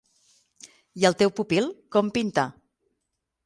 I el teu pupil, com pinta?